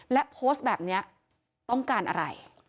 และโพสต์แบบนี้ต้องการอะไร